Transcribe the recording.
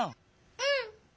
うん！